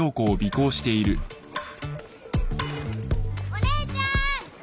・お姉ちゃん！